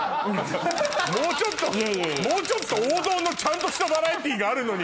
もうちょっと王道のちゃんとしたバラエティーがあるのに。